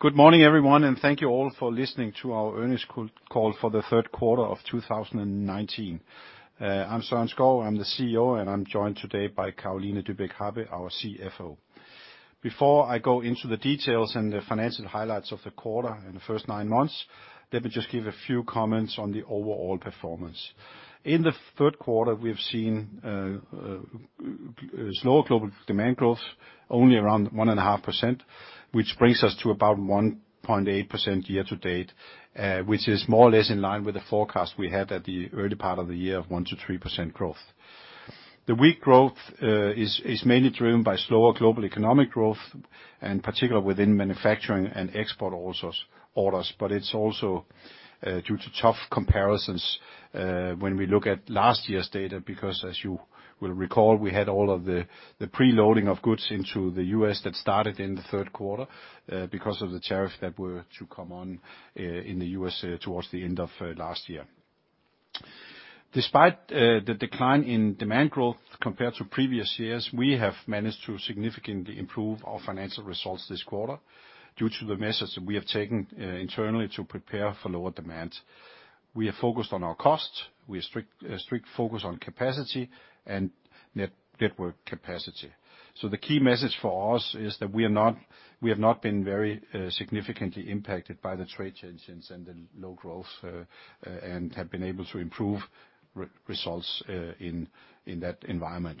Good morning, everyone, and thank you all for listening to our earnings call for the third quarter of 2019. I'm Søren Skou, I'm the CEO, and I'm joined today by Carolina Dybeck Happe, our CFO. Before I go into the details and the financial highlights of the quarter and the first nine months, let me just give a few comments on the overall performance. In the third quarter, we've seen slower global demand growth, only around 1.5%, which brings us to about 1.8% year-to-date, which is more or less in line with the forecast we had at the early part of the year of 1%-3% growth. The weak growth is mainly driven by slower global economic growth, and particularly within manufacturing and export orders, but it's also due to tough comparisons when we look at last year's data, because as you will recall, we had all of the pre-loading of goods into the U.S. that started in the third quarter because of the tariffs that were to come on in the U.S. towards the end of last year. Despite the decline in demand growth compared to previous years, we have managed to significantly improve our financial results this quarter due to the measures that we have taken internally to prepare for lower demand. We are focused on our costs. We are strict focus on capacity and network capacity. The key message for us is that we have not been very significantly impacted by the trade tensions and the low growth, and have been able to improve results in that environment.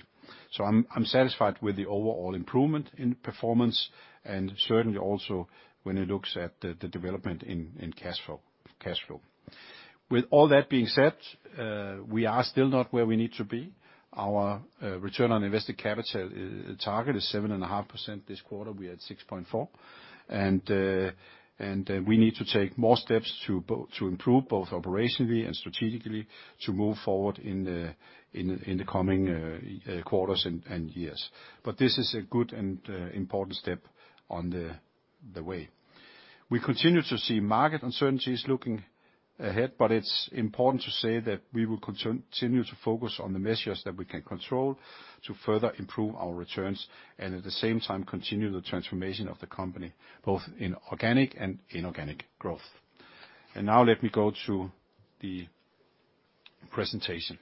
I'm satisfied with the overall improvement in performance and certainly also when it looks at the development in cash flow. With all that being said, we are still not where we need to be. Our return on invested capital target is 7.5% this quarter. We had 6.4%. We need to take more steps to improve both operationally and strategically to move forward in the coming quarters and years, but this is a good and important step on the way. We continue to see market uncertainties looking ahead, but it's important to say that we will continue to focus on the measures that we can control to further improve our returns, and at the same time, continue the transformation of the company, both in organic and inorganic growth. Now let me go to the presentation.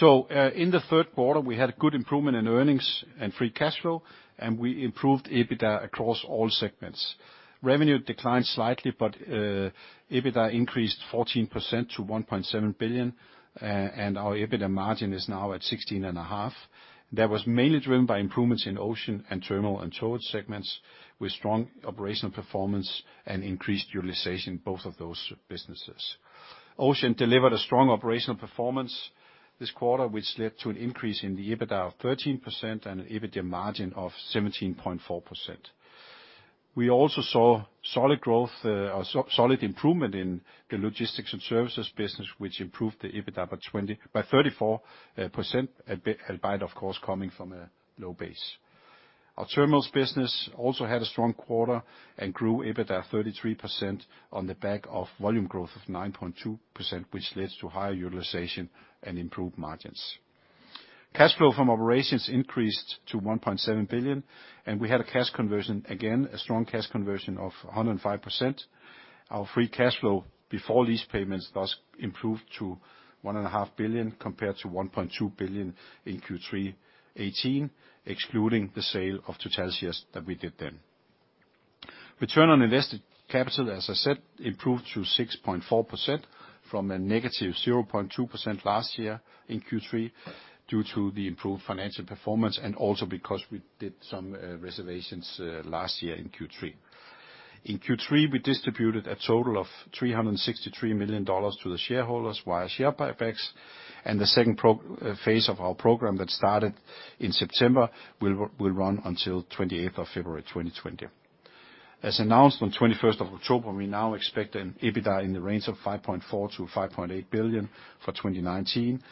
In the third quarter, we had a good improvement in earnings and free cash flow, and we improved EBITDA across all segments. Revenue declined slightly, but EBITDA increased 14% to $1.7 billion, and our EBITDA margin is now at 16.5%. That was mainly driven by improvements in Ocean and Terminals & Towage segments, with strong operational performance and increased utilization, both of those businesses. Ocean delivered a strong operational performance this quarter, which led to an increase in the EBITDA of 13% and an EBITDA margin of 17.4%. We also saw solid improvement in the Logistics & Services business, which improved the EBITDA by 34%, albeit, of course, coming from a low base. Our Terminals business also had a strong quarter and grew EBITDA 33% on the back of volume growth of 9.2%, which leads to higher utilization and improved margins. Cash flow from operations increased to $1.7 billion. We had a cash conversion, again, a strong cash conversion of 105%. Our free cash flow before lease payments thus improved to $1.5 billion compared to $1.2 billion in Q3 2018, excluding the sale of Total shares that we did then. Return on invested capital, as I said, improved to 6.4% from a negative 0.2% last year in Q3 due to the improved financial performance, and also because we did some reservations last year in Q3. In Q3, we distributed a total of $363 million to the shareholders via share buybacks. The second phase of our program that started in September will run until 28th of February 2020. As announced on 21st of October, we now expect an EBITDA in the range of $5.4 billion-$5.8 billion for 2019.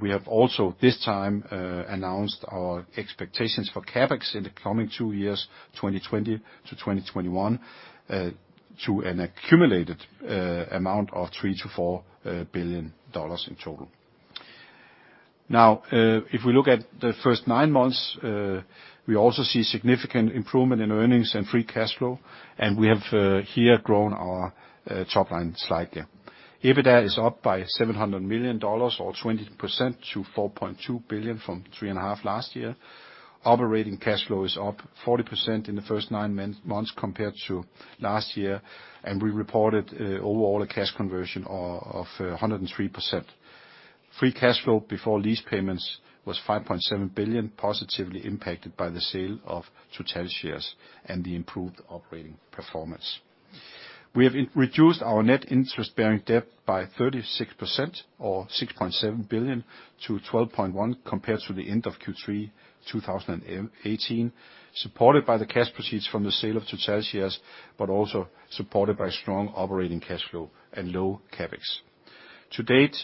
We have also this time announced our expectations for CapEx in the coming two years, 2020-2021, to an accumulated amount of $3 billion-$4 billion in total. Now, if we look at the first nine months, we also see significant improvement in earnings and free cash flow. We have here grown our top line slightly. EBITDA is up by $700 million, or 20%, to $4.2 billion from $3.5 last year. Operating cash flow is up 40% in the first nine months compared to last year, and we reported overall a cash conversion of 103%. Free cash flow before lease payments was $5.7 billion, positively impacted by the sale of Total shares and the improved operating performance. We have reduced our net interest-bearing debt by 36%, or $6.7 billion to $12.1 compared to the end of Q3 2018, supported by the cash proceeds from the sale of Total shares, but also supported by strong operating cash flow and low CapEx. To date,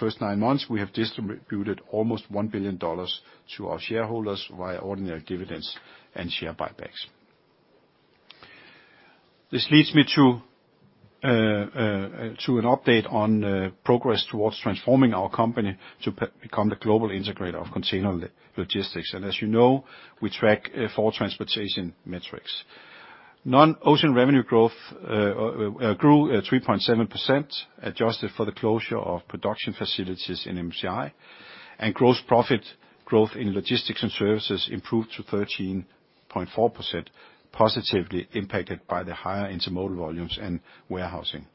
first nine months, we have distributed almost $1 billion to our shareholders via ordinary dividends and share buybacks. This leads me to an update on progress towards transforming our company to become the global integrator of container logistics. As you know, we track four transportation metrics. Non-ocean revenue growth grew at 3.7%, adjusted for the closure of production facilities in MCI, and gross profit growth in Logistics & Services improved to 13.4%, positively impacted by the higher intermodal volumes and warehousing.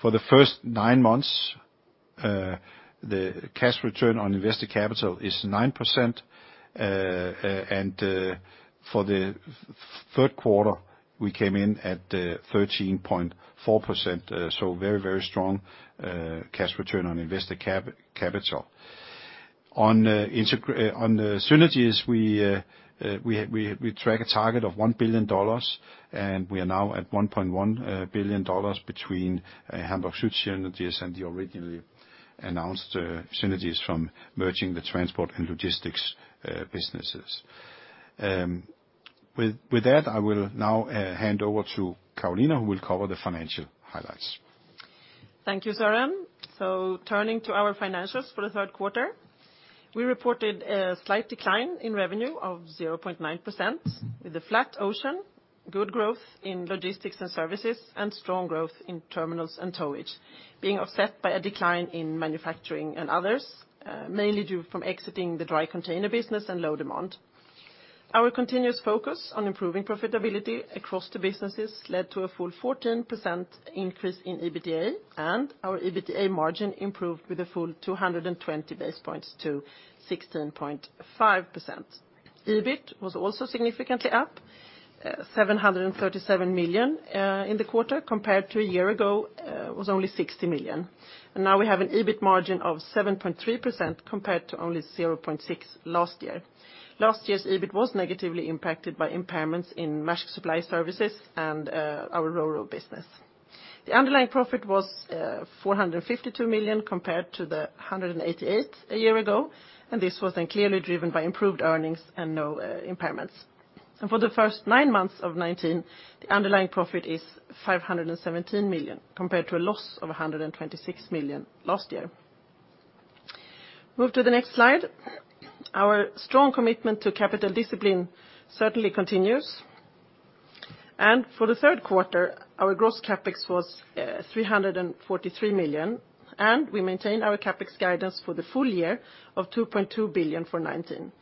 For the first nine months, the cash return on invested capital is 9%, and for the third quarter, we came in at 13.4%, so very strong cash return on invested capital. On synergies, we track a target of $1 billion, and we are now at $1.1 billion between Hamburg Süd synergies and the originally announced synergies from merging the transport and logistics businesses. With that, I will now hand over to Carolina, who will cover the financial highlights. Thank you, Søren Skou. Turning to our financials for the third quarter. We reported a slight decline in revenue of 0.9% with the flat Ocean, good growth in Logistics & Services, and strong growth in Terminals & Towage, being offset by a decline in manufacturing and others, mainly due from exiting the dry container business and low demand. Our continuous focus on improving profitability across the businesses led to a full 14% increase in EBITDA, and our EBITDA margin improved with a full 220 basis points to 16.5%. EBIT was also significantly up, $737 million in the quarter, compared to a year ago, was only $60 million. Now we have an EBIT margin of 7.3%, compared to only 0.6% last year. Last year's EBIT was negatively impacted by impairments in Maersk Supply Service and our RoRo business. The underlying profit was $452 million, compared to the $188 a year ago. This was then clearly driven by improved earnings and no impairments. For the first nine months of 2019, the underlying profit is $517 million, compared to a loss of $126 million last year. Move to the next slide. Our strong commitment to capital discipline certainly continues. For the third quarter, our gross CapEx was $343 million, and we maintained our CapEx guidance for the full year of $2.2 billion for 2019.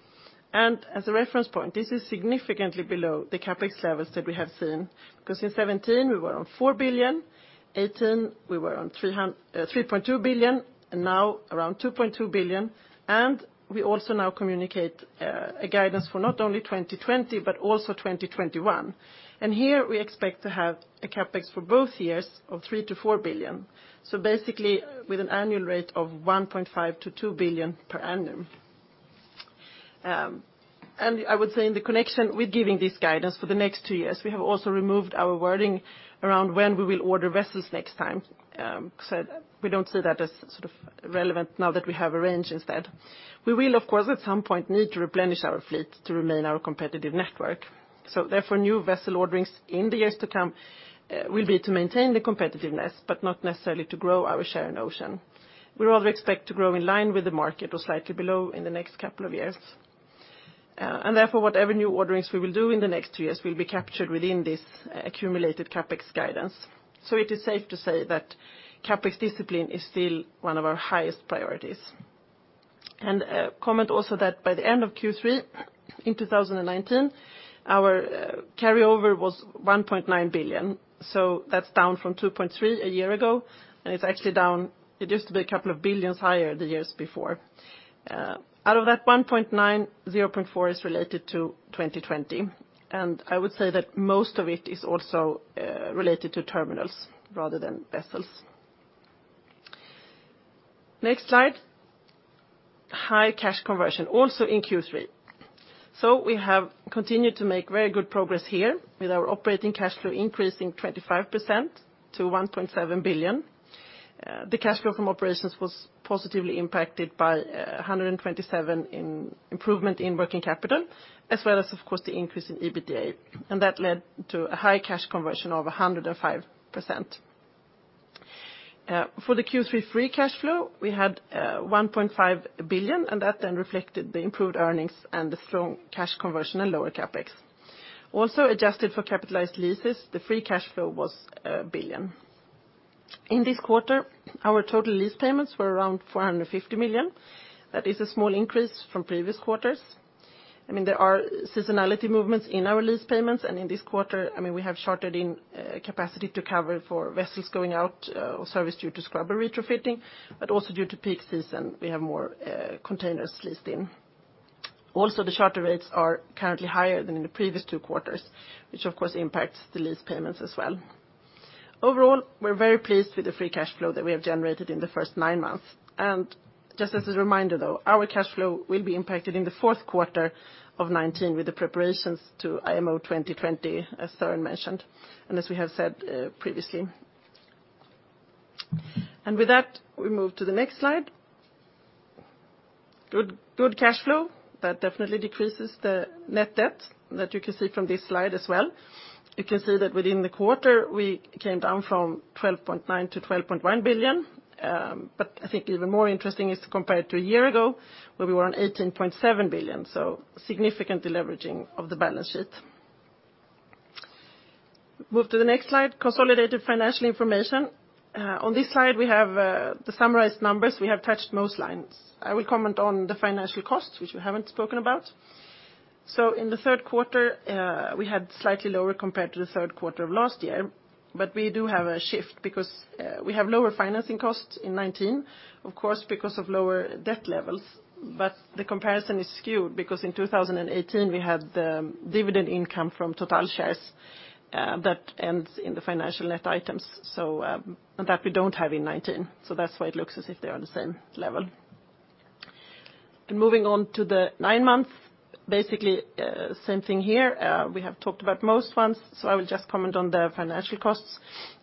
As a reference point, this is significantly below the CapEx levels that we have seen, because in 2017, we were on $4 billion, 2018, we were on $3.2 billion, and now around $2.2 billion. We also now communicate a guidance for not only 2020, but also 2021. Here, we expect to have a CapEx for both years of $3 billion-$4 billion. Basically, with an annual rate of $1.5 billion-$2 billion per annum. I would say in the connection with giving this guidance for the next two years, we have also removed our wording around when we will order vessels next time, because we don't see that as relevant now that we have a range instead. We will, of course, at some point need to replenish our fleet to remain our competitive network. Therefore, new vessel orderings in the years to come will be to maintain the competitiveness, but not necessarily to grow our share in Ocean. We rather expect to grow in line with the market or slightly below in the next couple of years. Therefore, whatever new orderings we will do in the next two years will be captured within this accumulated CapEx guidance. It is safe to say that CapEx discipline is still one of our highest priorities. A comment also that by the end of Q3 in 2019, our carryover was $1.9 billion, that's down from $2.3 a year ago, and it used to be a couple of billions higher the years before. Out of that $1.9, $0.4 is related to 2020. I would say that most of it is also related to terminals rather than vessels. Next slide. High cash conversion, also in Q3. We have continued to make very good progress here with our operating cash flow increasing 25% to $1.7 billion. The cash flow from operations was positively impacted by 127 improvement in working capital, as well as, of course, the increase in EBITDA. That led to a high cash conversion of 105%. For the Q3 free cash flow, we had $1.5 billion, and that then reflected the improved earnings and the strong cash conversion and lower CapEx. Also adjusted for capitalized leases, the free cash flow was $1 billion. In this quarter, our total lease payments were around $450 million. That is a small increase from previous quarters. There are seasonality movements in our lease payments, and in this quarter, we have chartered in capacity to cover for vessels going out of service due to scrubber retrofitting, but also due to peak season, we have more containers leased in. Also, the charter rates are currently higher than in the previous two quarters, which, of course, impacts the lease payments as well. Overall, we are very pleased with the free cash flow that we have generated in the first nine months. Just as a reminder, though, our cash flow will be impacted in the fourth quarter of 2019 with the preparations to IMO 2020, as Søren Skou mentioned, and as we have said previously. With that, we move to the next slide. Good cash flow, that definitely decreases the net debt that you can see from this slide as well. You can see that within the quarter, we came down from $12.9 billion to $12.1 billion. I think even more interesting is to compare it to a year ago, where we were on $18.7 billion, so significant deleveraging of the balance sheet. Move to the next slide, consolidated financial information. On this slide, we have the summarized numbers. We have touched most lines. I will comment on the financial costs, which we haven't spoken about. In the third quarter, we had slightly lower compared to the third quarter of last year, but we do have a shift because we have lower financing costs in 2019, of course, because of lower debt levels. The comparison is skewed because in 2018, we had the dividend income from Total shares, that ends in the financial net items. That we don't have in 2019. That's why it looks as if they're on the same level. Moving on to the nine months, basically, same thing here. We have talked about most ones, so I will just comment on the financial costs.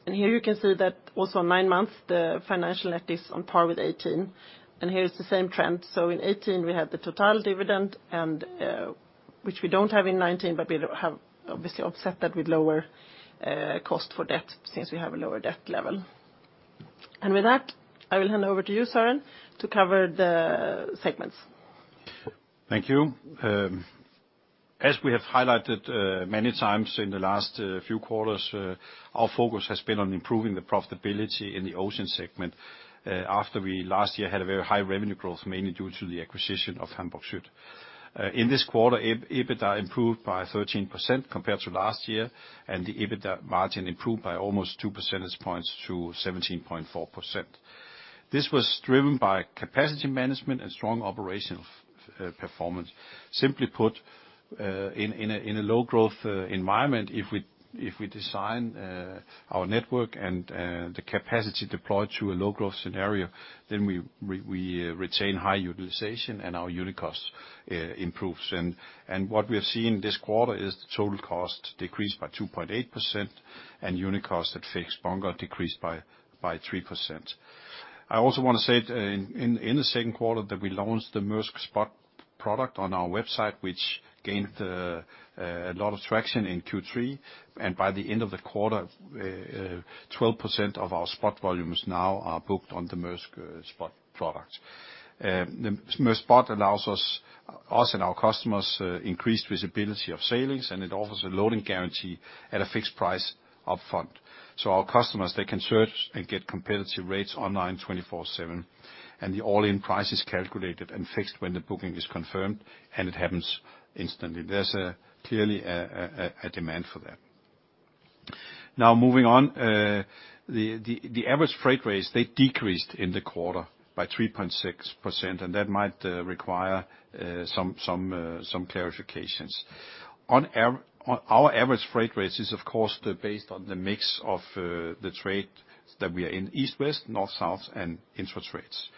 Here you can see that also on nine months, the financial net is on par with 2018. Here is the same trend. In 2018, we had the Total dividend, which we don't have in 2019, but we have obviously offset that with lower cost for debt since we have a lower debt level. With that, I will hand over to you, Søren Skou, to cover the segments. Thank you. As we have highlighted many times in the last few quarters, our focus has been on improving the profitability in the Ocean segment after we last year had a very high revenue growth, mainly due to the acquisition of Hamburg Süd. In this quarter, EBITDA improved by 13% compared to last year, and the EBITDA margin improved by almost two percentage points to 17.4%. This was driven by capacity management and strong operational performance. Simply put, in a low-growth environment, if we design our network and the capacity deployed to a low-growth scenario, then we retain high utilization and our unit cost improves. What we have seen this quarter is the total cost decreased by 2.8% and unit cost at fixed bunker decreased by 3%. I also want to say, in the second quarter that we launched the Maersk Spot product on our website, which gained a lot of traction in Q3. By the end of the quarter, 12% of our spot volumes now are booked on the Maersk Spot product. Maersk Spot allows us and our customers increased visibility of sailings, and it offers a loading guarantee at a fixed price up front. Our customers, they can search and get competitive rates online 24/7. The all-in price is calculated and fixed when the booking is confirmed, and it happens instantly. There is clearly a demand for that. Now, moving on, the average freight rates, they decreased in the quarter by 3.6%, and that might require some clarifications. Our average freight rates is, of course, based on the mix of the trades that we are in, East-West, North-South, and intra-trades.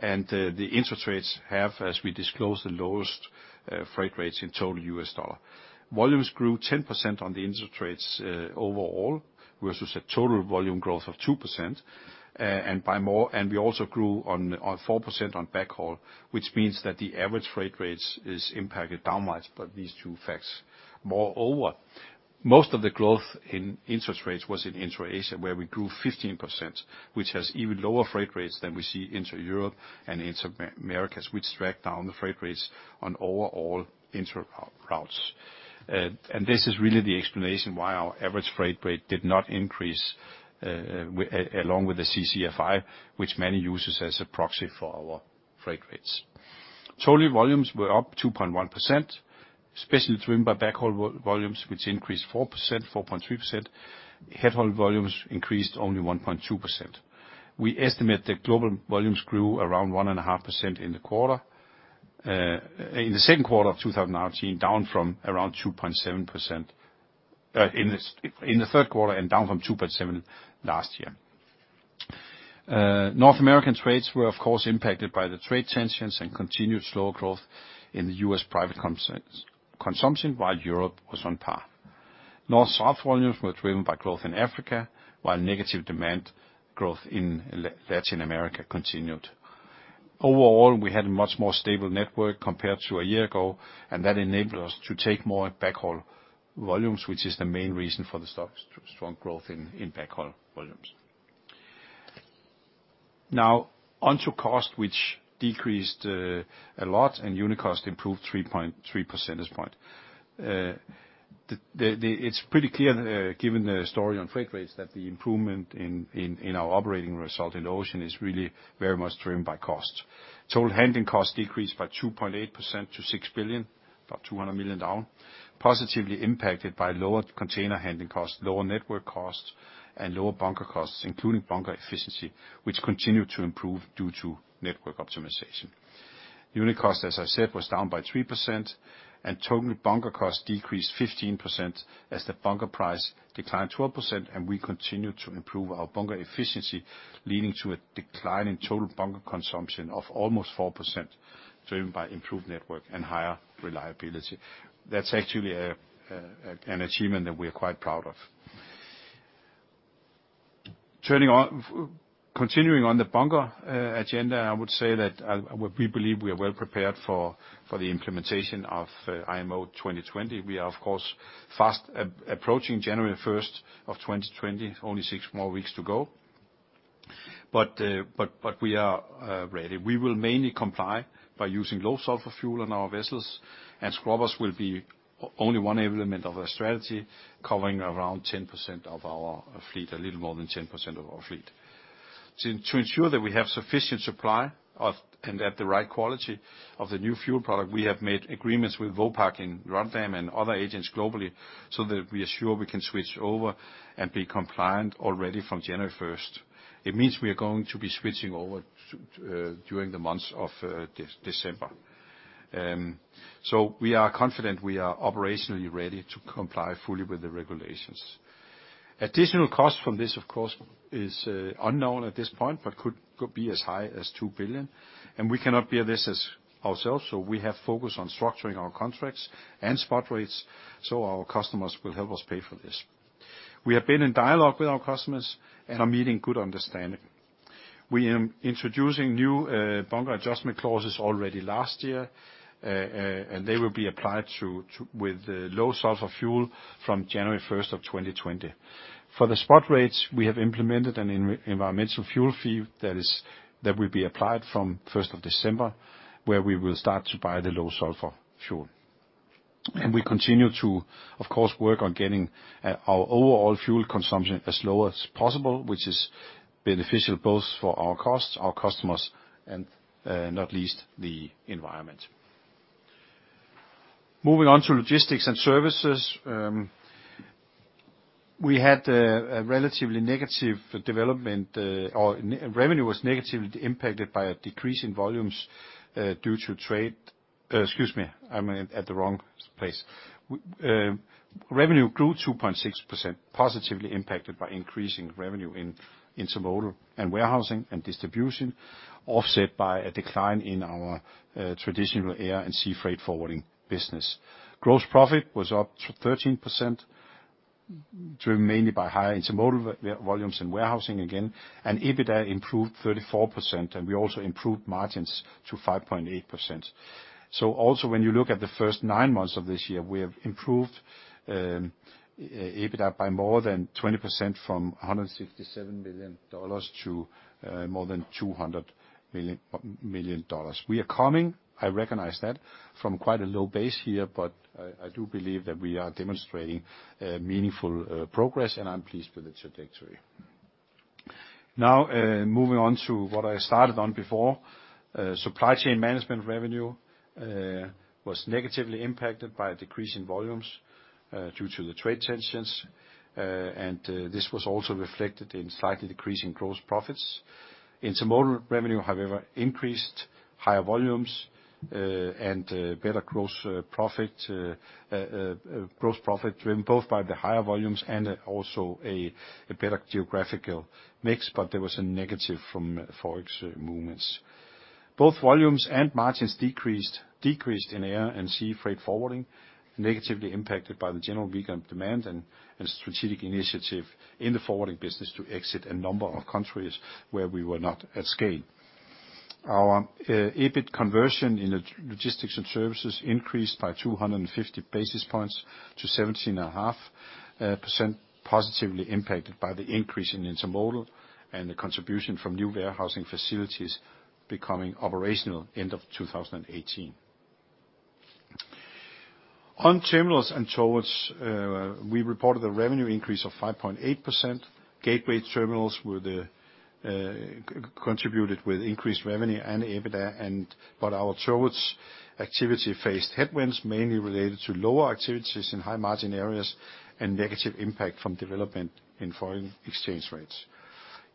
The intra-trades have, as we disclose, the lowest freight rates in total U.S. dollar. Volumes grew 10% on the intra-trades overall, versus a total volume growth of 2%. We also grew on 4% on backhaul, which means that the average freight rates is impacted downwards by these two facts. Moreover, most of the growth in intra-trades was in intra-Asia, where we grew 15%, which has even lower freight rates than we see intra-Europe and intra-Americas, which dragged down the freight rates on overall intra routes. This is really the explanation why our average freight rate did not increase along with the CCFI, which many uses as a proxy for our freight rates. Total volumes were up 2.1%, especially driven by backhaul volumes, which increased 4.3%. Headhaul volumes increased only 1.2%. We estimate that global volumes grew around 1.5% in the quarter. In the second quarter of 2019, down from around 2.7% in the third quarter and down from 2.7% last year. North American trades were, of course, impacted by the trade tensions and continued slow growth in the U.S. private consumption, while Europe was on par. North-South volumes were driven by growth in Africa, while negative demand growth in Latin America continued. Overall, we had a much more stable network compared to a year ago and that enabled us to take more backhaul volumes, which is the main reason for the strong growth in backhaul volumes. Now onto cost, which decreased a lot and unit cost improved 3 percentage point. It's pretty clear, given the story on freight rates, that the improvement in our operating result in Ocean is really very much driven by cost. Total handling cost decreased by 2.8% to $6 billion, about $200 million down, positively impacted by lower container handling costs, lower network costs, and lower bunker costs, including bunker efficiency, which continued to improve due to network optimization. Unit cost, as I said, was down by 3%, and total bunker costs decreased 15% as the bunker price declined 12% and we continued to improve our bunker efficiency, leading to a decline in total bunker consumption of almost 4%, driven by improved network and higher reliability. That's actually an achievement that we are quite proud of. Continuing on the bunker agenda, I would say that what we believe we are well prepared for the implementation of IMO 2020. We are, of course, fast approaching January 1st of 2020. Only six more weeks to go. But we are ready. We will mainly comply by using low sulfur fuel in our vessels, and scrubbers will be only one element of our strategy, covering around 10% of our fleet, a little more than 10% of our fleet. To ensure that we have sufficient supply, and at the right quality of the new fuel product, we have made agreements with Vopak in Rotterdam and other agents globally, so that we are sure we can switch over and be compliant already from January 1st. It means we are going to be switching over during the months of December. We are confident we are operationally ready to comply fully with the regulations. Additional cost from this, of course, is unknown at this point, but could be as high as $2 billion, and we cannot bear this ourselves, so we have focused on structuring our contracts and spot rates, so our customers will help us pay for this. We have been in dialogue with our customers and are meeting good understanding. We are introducing new bunker adjustment clauses already last year, and they will be applied with low sulfur fuel from January 1st of 2020. For the spot rates, we have implemented an environmental fuel fee that will be applied from 1st of December, where we will start to buy the low sulfur fuel. We continue to, of course, work on getting our overall fuel consumption as low as possible, which is beneficial both for our costs, our customers, and not least, the environment. Moving on to Logistics & Services. Revenue grew 2.6%, positively impacted by increasing revenue in intermodal and warehousing and distribution, offset by a decline in our traditional air and sea freight forwarding business. Gross profit was up 13%, driven mainly by higher intermodal volumes in warehousing again. EBITDA improved 34%. We also improved margins to 5.8%. Also, when you look at the first nine months of this year, we have improved EBITDA by more than 20% from $167 million to more than $200 million. We are coming, I recognize that, from quite a low base here, but I do believe that we are demonstrating meaningful progress, and I'm pleased with the trajectory. Now, moving on to what I started on before. Supply chain management revenue was negatively impacted by a decrease in volumes due to the trade tensions and this was also reflected in slightly decrease in gross profits. Intermodal revenue, however, increased higher volumes and better gross profit driven both by the higher volumes and also a better geographical mix, but there was a negative from Forex movements. Both volumes and margins decreased in air and sea freight forwarding, negatively impacted by the general weakened demand and strategic initiative in the forwarding business to exit a number of countries where we were not at scale. Our EBIT conversion in Logistics & Services increased by 250 basis points to 17.5%, positively impacted by the increase in intermodal and the contribution from new warehousing facilities becoming operational end of 2018. On Terminals & Towage, we reported a revenue increase of 5.8%. Gateway terminals contributed with increased revenue and EBITDA. Our towage activity faced headwinds, mainly related to lower activities in high-margin areas and negative impact from development in foreign exchange rates.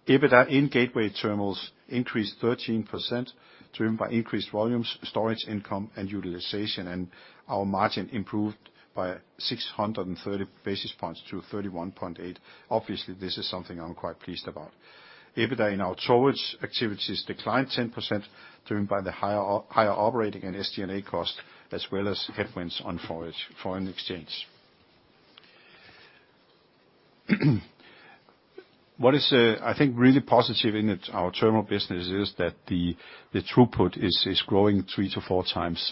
EBITDA in gateway terminals increased 13%, driven by increased volumes, storage income, and utilization, and our margin improved by 630 basis points to 31.8%. Obviously, this is something I'm quite pleased about. EBITDA in our towage activities declined 10%, driven by the higher operating and SG&A cost, as well as headwinds on foreign exchange. What is, I think, really positive in our terminal business is that the throughput is growing three to four times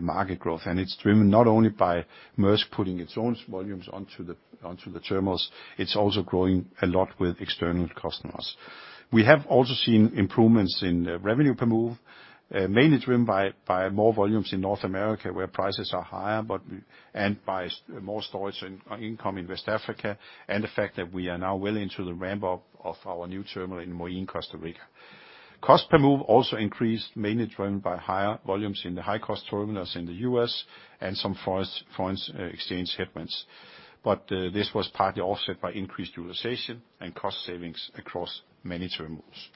market growth, and it's driven not only by Maersk putting its own volumes onto the terminals, it's also growing a lot with external customers. We have also seen improvements in revenue per move, mainly driven by more volumes in North America, where prices are higher, and by more storage income in West Africa, and the fact that we are now well into the ramp-up of our new terminal in Moín, Costa Rica. Cost per move also increased, mainly driven by higher volumes in the high-cost terminals in the U.S., and some foreign exchange headwinds. This was partly offset by increased utilization and cost savings across many terminals.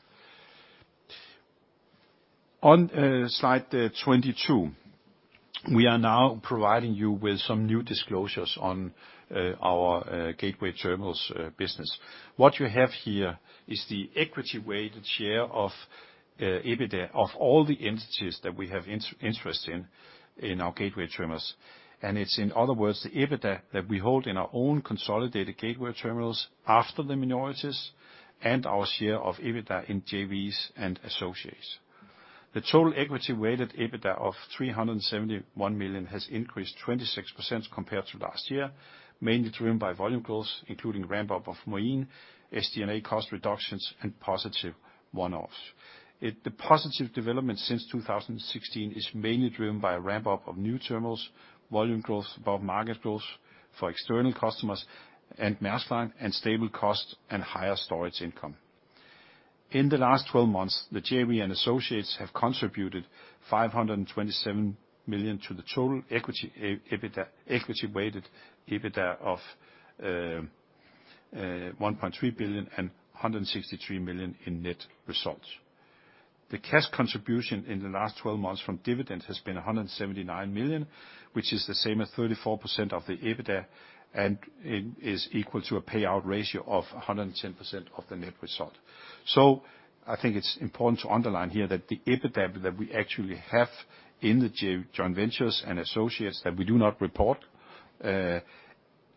On slide 22, we are now providing you with some new disclosures on our gateway terminals business. What you have here is the equity weighted share of EBITDA of all the entities that we have interest in our gateway terminals. It's in other words, the EBITDA that we hold in our own consolidated gateway terminals after the minorities and our share of EBITDA in JVs and associates. The total equity weighted EBITDA of $371 million has increased 26% compared to last year, mainly driven by volume growth, including ramp-up of Moín, SG&A cost reductions, and positive one-offs. The positive development since 2016 is mainly driven by a ramp-up of new terminals, volume growth above market growth for external customers, and Maersk Line, and stable costs and higher storage income. In the last 12 months, the JV and associates have contributed $527 million to the total equity weighted EBITDA of $1.3 billion and $163 million in net results. The cash contribution in the last 12 months from dividends has been $179 million, which is the same as 34% of the EBITDA and is equal to a payout ratio of 110% of the net result. I think it's important to underline here that the EBITDA that we actually have in the joint ventures and associates that we do not report,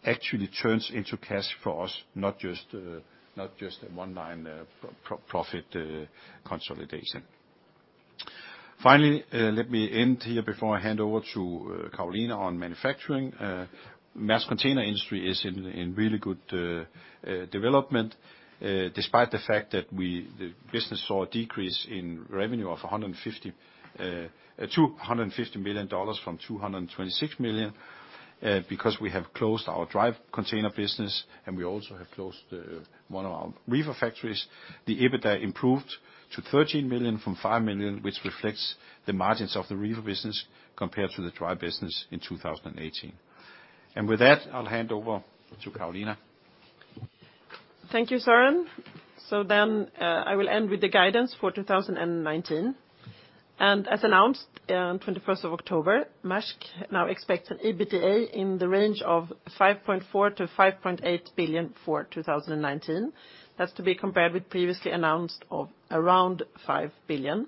actually turns into cash for us, not just a one line profit consolidation. Finally, let me end here before I hand over to Carolina Dybeck Happe on manufacturing. Maersk Container Industry is in really good development. Despite the fact that the business saw a decrease in revenue of $150 million from $226 million, because we have closed our dry container business and we also have closed one of our reefer factories. The EBITDA improved to $13 million from $5 million, which reflects the margins of the reefer business compared to the dry business in 2018. With that, I'll hand over to Carolina Dybeck Happe. Thank you, Søren Skou. I will end with the guidance for 2019. As announced on 21st of October, Maersk now expects an EBITDA in the range of $5.4 billion-$5.8 billion for 2019. That's to be compared with previously announced of around $5 billion.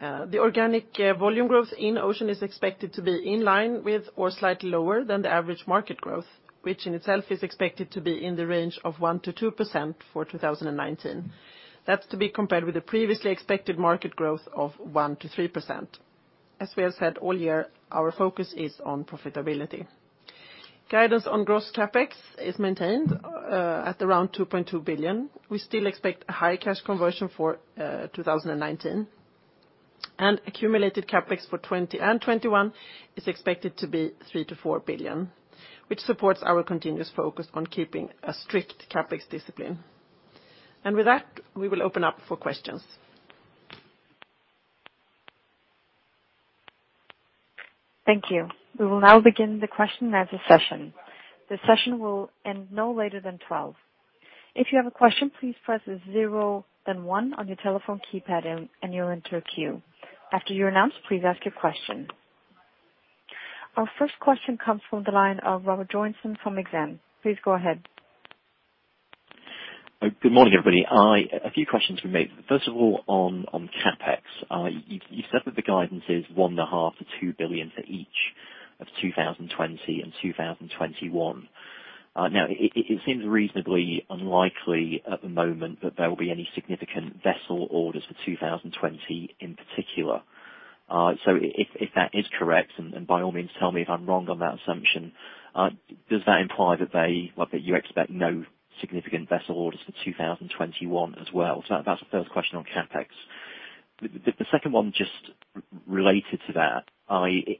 The organic volume growth in Ocean is expected to be in line with or slightly lower than the average market growth, which in itself is expected to be in the range of 1%-2% for 2019. That's to be compared with the previously expected market growth of 1%-3%. As we have said all year, our focus is on profitability. Guidance on gross CapEx is maintained at around $2.2 billion. We still expect a high cash conversion for 2019. Accumulated CapEx for 2020 and 2021 is expected to be $3 billion-$4 billion, which supports our continuous focus on keeping a strict CapEx discipline. With that, we will open up for questions. Thank you. We will now begin the question and answer session. The session will end no later than 12:00. If you have a question, please press zero then one on your telephone keypad and you'll enter a queue. After you're announced, please ask your question. Our first question comes from the line of Robert Joynson from Exane. Please go ahead. Good morning, everybody. A few questions for me. First of all, on CapEx, you've said that the guidance is $1.5 billion-$2 billion for each of 2020 and 2021. Now, it seems reasonably unlikely at the moment that there will be any significant vessel orders for 2020 in particular. If that is correct, and by all means, tell me if I'm wrong on that assumption, does that imply that you expect no significant vessel orders for 2021 as well? That's the first question on CapEx. The second one just related to that,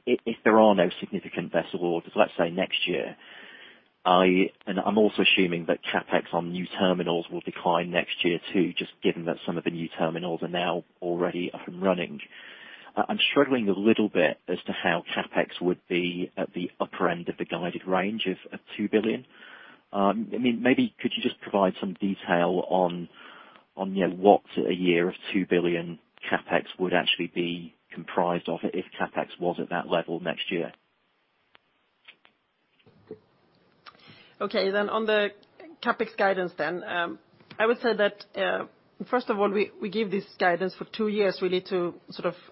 if there are no significant vessel orders, let's say next year, and I'm also assuming that CapEx on new terminals will decline next year too, just given that some of the new terminals are now already up and running. I'm struggling a little bit as to how CapEx would be at the upper end of the guided range of $2 billion. Maybe could you just provide some detail on what a year of $2 billion CapEx would actually be comprised of if CapEx was at that level next year? Okay. On the CapEx guidance then, I would say that, first of all, we give this guidance for two years really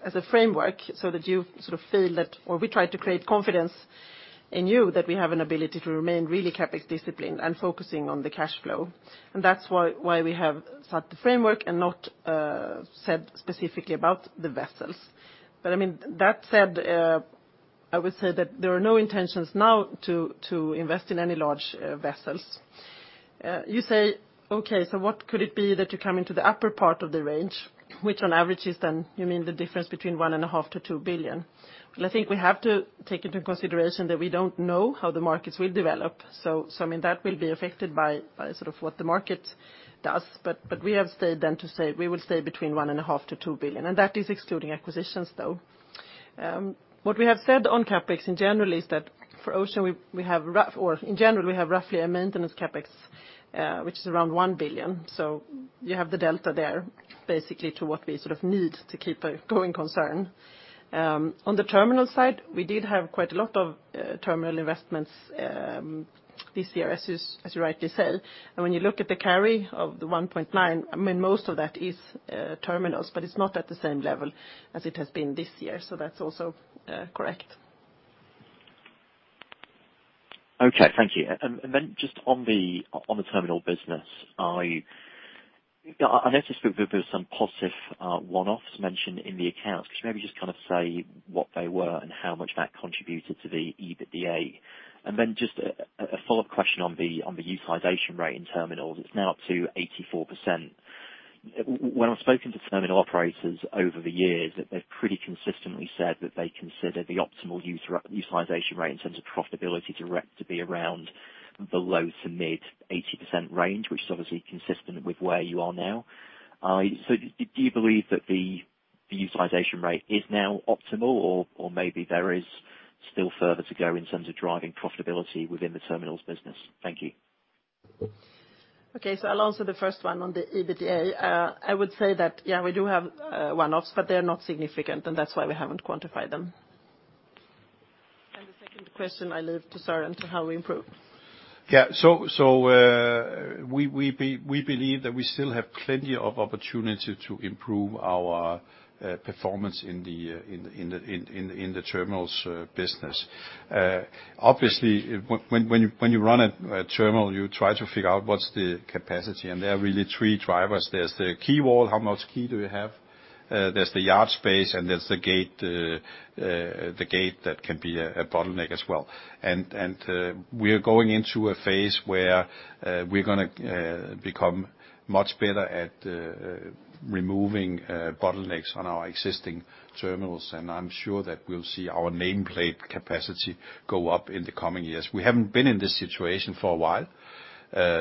as a framework so that you feel that, or we try to create confidence in you that we have an ability to remain really CapEx disciplined and focusing on the cash flow. That's why we have set the framework and not said specifically about the vessels. That said, I would say that there are no intentions now to invest in any large vessels. You say, okay, what could it be that you come into the upper part of the range, which on average is then, you mean the difference between $1.5 billion-$2 billion? I think we have to take into consideration that we don't know how the markets will develop. That will be affected by sort of what the market does, but we have stayed then to say we will stay between $1.5 billion-$2 billion, and that is excluding acquisitions, though. What we have said on CapEx in general is that for Ocean, in general, we have roughly a maintenance CapEx, which is around $1 billion. You have the delta there basically to what we sort of need to keep a going concern. On the terminal side, we did have quite a lot of terminal investments this year, as you rightly said. When you look at the carry of the $1.9 billion, most of that is terminals, but it's not at the same level as it has been this year. That's also correct. Okay, thank you. Just on the terminal business, I noticed there was some positive one-offs mentioned in the accounts. Could you maybe just kind of say what they were and how much that contributed to the EBITDA? Just a follow-up question on the utilization rate in terminals. It's now up to 84%. When I've spoken to terminal operators over the years, they've pretty consistently said that they consider the optimal utilization rate in terms of profitability to be around the low to mid 80% range, which is obviously consistent with where you are now. Do you believe that the utilization rate is now optimal, or maybe there is still further to go in terms of driving profitability within the terminals business? Thank you. Okay. I'll answer the first one on the EBITDA. I would say that, yeah, we do have one-offs, but they're not significant, and that's why we haven't quantified them. The second question, I leave to Søren Skou, to how we improve. Yeah. We believe that we still have plenty of opportunity to improve our performance in the terminals business. Obviously, when you run a terminal, you try to figure out what's the capacity, and there are really three drivers. There's the quay wall, how much quay do you have? There's the yard space, and there's the gate that can be a bottleneck as well. We are going into a phase where we're going to become much better at removing bottlenecks on our existing terminals, and I'm sure that we'll see our nameplate capacity go up in the coming years. We haven't been in this situation for a while.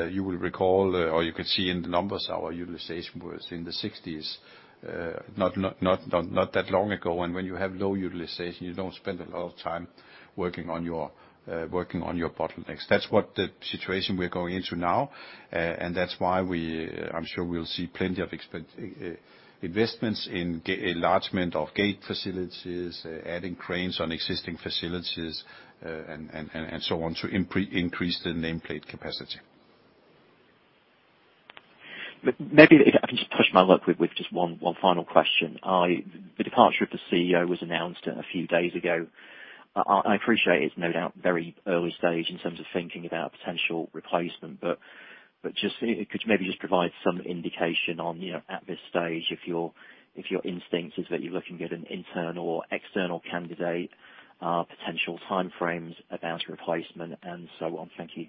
You will recall, or you could see in the numbers, our utilization was in the 60s not that long ago. When you have low utilization, you don't spend a lot of time working on your bottlenecks. That's what the situation we're going into now, and that's why I'm sure we'll see plenty of investments in enlargement of gate facilities, adding cranes on existing facilities, and so on, to increase the nameplate capacity. Maybe if I can just push my luck with just one final question. The departure of the CEO was announced a few days ago. I appreciate it's no doubt very early stage in terms of thinking about potential replacement, could you maybe just provide some indication on, at this stage, if your instinct is that you're looking at an internal or external candidate, potential time frames about replacement and so on? Thank you.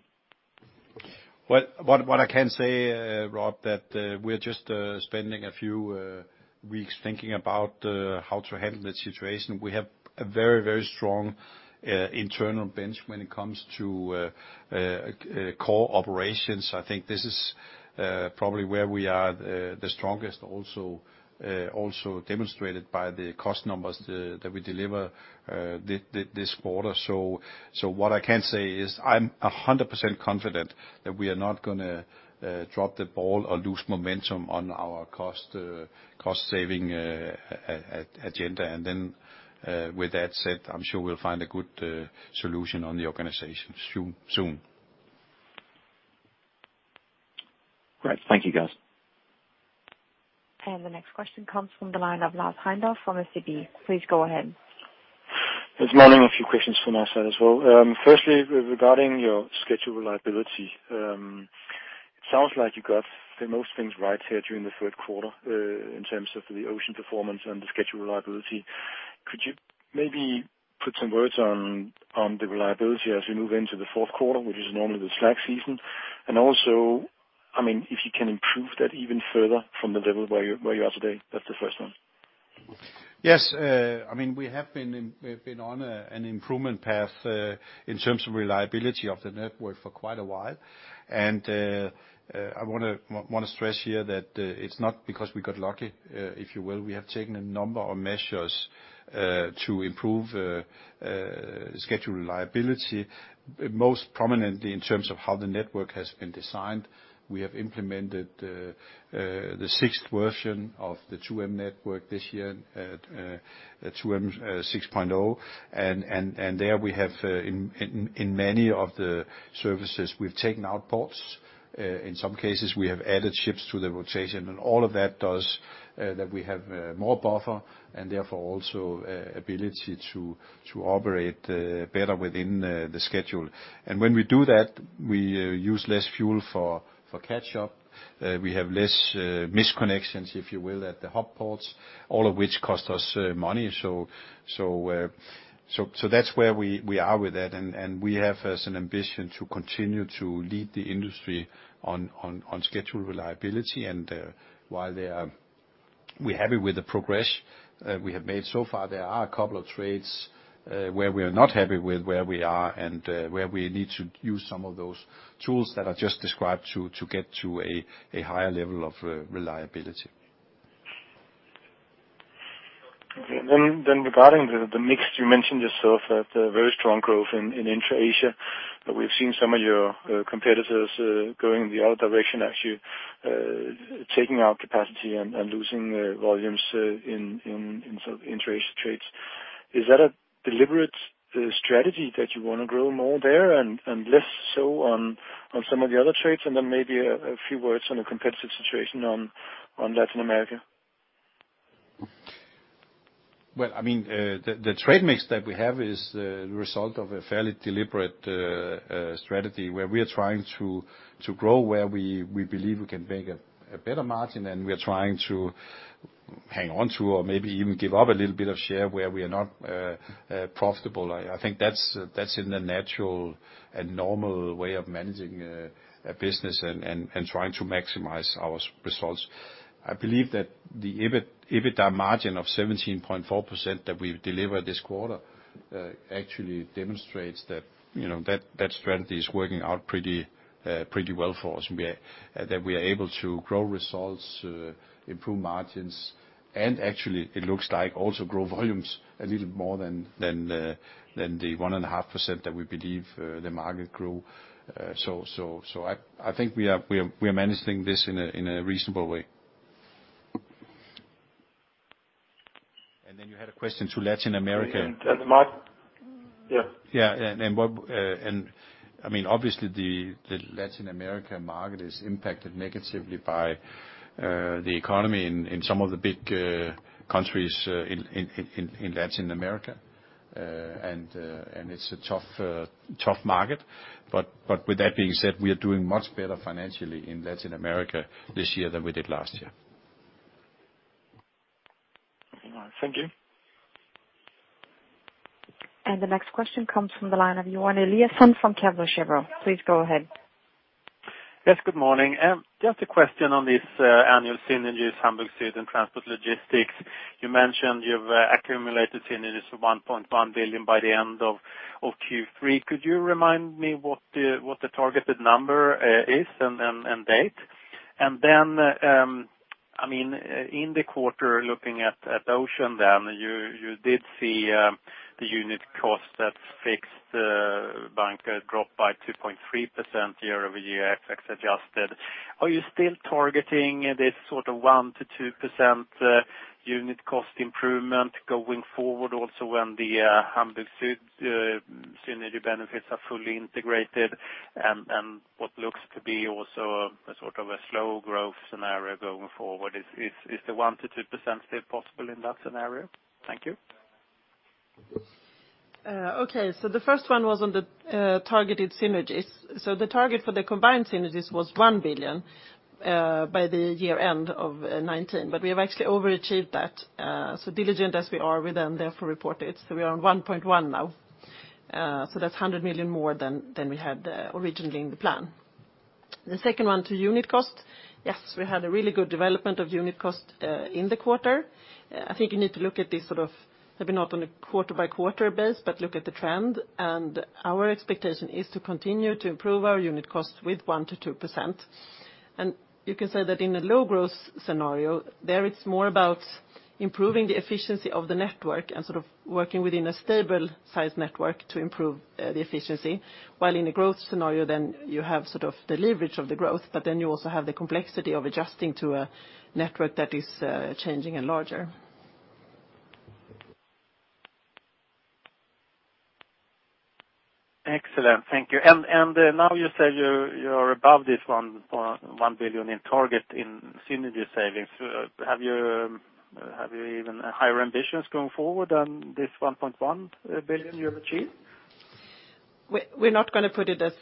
What I can say, Robert Joynson that we're just spending a few weeks thinking about how to handle the situation. We have a very strong internal bench when it comes to core operations. I think this is probably where we are the strongest also, demonstrated by the cost numbers that we deliver this quarter. What I can say is I'm 100% confident that we are not going to drop the ball or lose momentum on our cost-saving agenda. With that said, I'm sure we'll find a good solution on the organization soon. Great. Thank you, guys. The next question comes from the line of Lars Heindorff from SEB. Please go ahead. There's mainly a few questions from our side as well. Firstly, regarding your schedule reliability. Sounds like you got most things right here during the third quarter in terms of the Ocean performance and the schedule reliability. Could you maybe put some words on the reliability as we move into the fourth quarter, which is normally the slack season? Also, if you can improve that even further from the level where you are today? That's the first one. Yes. I mean, we have been on an improvement path in terms of reliability of the network for quite a while and I want to stress here that it's not because we got lucky, if you will. We have taken a number of measures to improve schedule reliability, most prominently in terms of how the network has been designed. We have implemented the sixth version of the 2M network this year at 2M 6.0. There we have, in many of the services, we've taken out ports. In some cases, we have added ships to the rotation. All of that does that we have more buffer and therefore also ability to operate better within the schedule. When we do that, we use less fuel for catch-up. We have less misconnections, if you will, at the hub ports, all of which cost us money. That's where we are with that, and we have as an ambition to continue to lead the industry on schedule reliability and while we're happy with the progress we have made so far, there are a couple of trades where we are not happy with where we are and where we need to use some of those tools that I just described to get to a higher level of reliability. Okay. Regarding the mix, you mentioned yourself that very strong growth in intra-Asia, but we've seen some of your competitors going in the other direction, actually, taking out capacity and losing volumes in some intra-Asia trades. Is that a deliberate strategy that you want to grow more there and less so on some of the other trades? Maybe a few words on the competitive situation on Latin America. Well, I mean the trade mix that we have is the result of a fairly deliberate strategy where we are trying to grow where we believe we can make a better margin, and we are trying to hang on to, or maybe even give up a little bit of share where we are not profitable. I think that's in the natural and normal way of managing a business and trying to maximize our results. I believe that the EBITDA margin of 17.4% that we've delivered this quarter actually demonstrates that that strategy is working out pretty well for us, and that we are able to grow results, improve margins, and actually, it looks like also grow volumes a little more than the 1.5% that we believe the market grew. I think we are managing this in a reasonable way. You had a question to Latin America. Yeah. Yeah. I mean obviously, the Latin America market is impacted negatively by the economy in some of the big countries in Latin America and it's a tough market. With that being said, we are doing much better financially in Latin America this year than we did last year. All right. Thank you. The next question comes from the line of Johan Eliason from Kepler Cheuvreux. Please go ahead. Yes, good morning. Just a question on these annual synergies, Hamburg Süd, and transport logistics. You mentioned you've accumulated synergies of $1.1 billion by the end of Q3. Could you remind me what the targeted number is and date? In the quarter, looking at Ocean, then you did see the unit cost at fixed bunker drop by 2.3% year-over-year, FX-adjusted. Are you still targeting this sort of 1%-2% unit cost improvement going forward, also when the Hamburg Süd synergy benefits are fully integrated and what looks to be also sort of a slow growth scenario going forward? Is the 1%-2% still possible in that scenario? Thank you. Okay. The first one was on the targeted synergies. The target for the combined synergies was $1 billion by the year-end of 2019, but we have actually overachieved that. Diligent as we are, we then therefore report it. We are on 1.1 now. That's $100 million more than we had originally in the plan. The second one to unit cost. Yes, we had a really good development of unit cost in the quarter. I think you need to look at this, sort of maybe not on a quarter-by-quarter basis, but look at the trend. Our expectation is to continue to improve our unit cost with 1%-2%. You can say that in a low growth scenario, there it's more about improving the efficiency of the network and working within a stable size network to improve the efficiency. While in a growth scenario, then you have the leverage of the growth, but then you also have the complexity of adjusting to a network that is changing and larger. Excellent. Thank you. Now you say you're above this $1 billion in target in synergy savings. Have you even higher ambitions going forward on this $1.1 billion you have achieved? We're not going to put it as,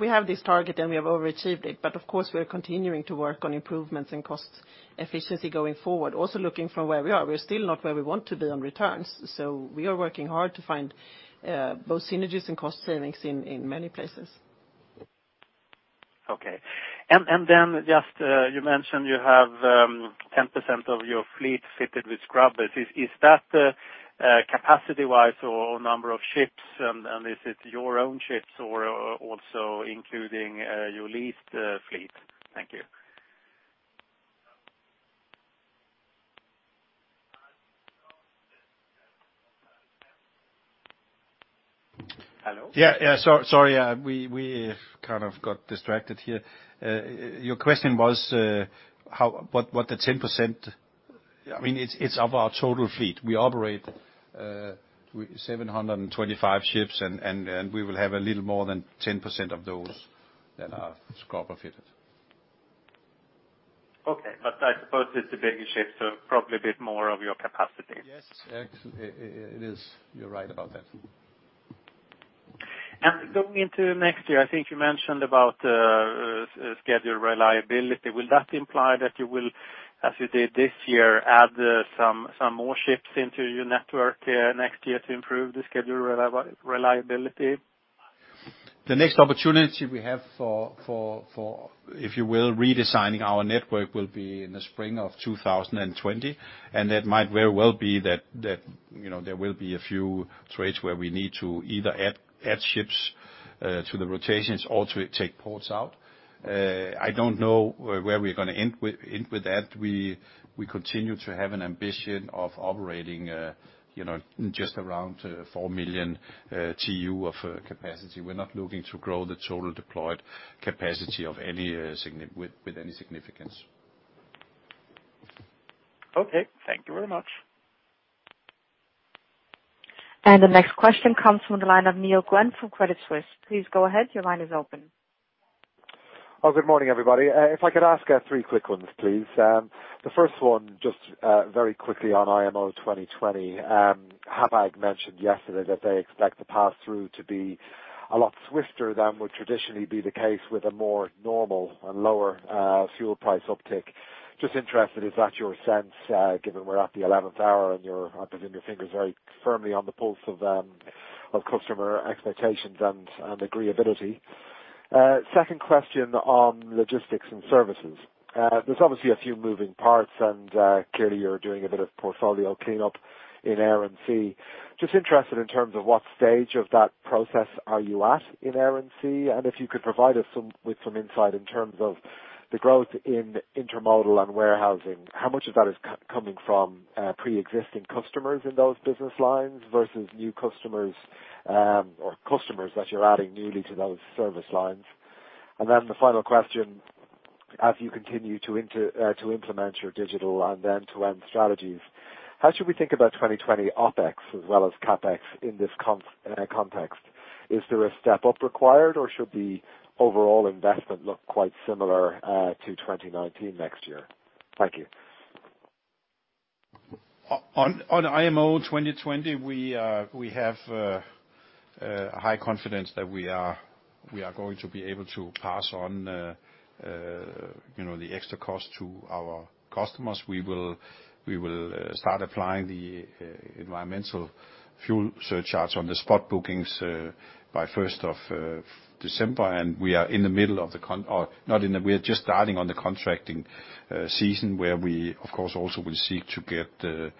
we have this target and we have overachieved it. Of course, we are continuing to work on improvements in cost efficiency going forward. Also looking from where we are. We're still not where we want to be on returns. We are working hard to find both synergies and cost savings in many places. Okay. Then just, you mentioned you have 10% of your fleet fitted with scrubbers. Is that capacity-wise or number of ships, and is it your own ships or also including your leased fleet? Thank you. Hello? Yeah. Sorry. We kind of got distracted here. Your question was what the 10%. It's of our total fleet. We operate 725 ships, and we will have a little more than 10% of those that are scrubber fitted. Okay. I suppose it's the bigger ships, probably a bit more of your capacity. Yes. It is. You're right about that. Going into next year, I think you mentioned about schedule reliability. Will that imply that you will, as you did this year, add some more ships into your network next year to improve the schedule reliability? The next opportunity we have for, if you will, redesigning our network will be in the spring of 2020, and it might very well be that there will be a few trades where we need to either add ships to the rotations or to take ports out. I don't know where we're going to end with that. We continue to have an ambition of operating just around 4 million TEU of capacity. We're not looking to grow the total deployed capacity with any significance. Okay. Thank you very much. The next question comes from the line of Neil Glynn from Credit Suisse. Please go ahead. Your line is open. Good morning, everybody. If I could ask three quick ones, please. The first one, just very quickly on IMO 2020. Hapag-Lloyd mentioned yesterday that they expect the pass through to be a lot swifter than would traditionally be the case with a more normal and lower fuel price uptick. Just interested, is that your sense, given we're at the 11th hour and you're, I presume, your finger's very firmly on the pulse of customer expectations and agreeability? Second question on Logistics & Services. There's obviously a few moving parts and clearly you're doing a bit of portfolio cleanup in Air and Sea. Just interested in terms of what stage of that process are you at in Air & Sea, and if you could provide us with some insight in terms of the growth in intermodal and warehousing, how much of that is coming from preexisting customers in those business lines versus new customers, or customers that you're adding newly to those service lines? The final question, as you continue to implement your digital and end-to-end strategies, how should we think about 2020 OpEx as well as CapEx in this context? Is there a step-up required or should the overall investment look quite similar to 2019 next year? Thank you. On IMO 2020, we have high confidence that we are going to be able to pass on the extra cost to our customers. We will start applying the environmental fuel surcharge on the spot bookings by 1st of December. We are just starting on the contracting season where we, of course, also will seek to get the